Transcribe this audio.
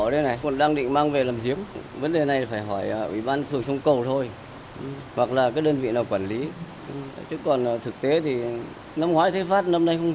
hệ dạy mọc um tùm cây xanh thì bị chết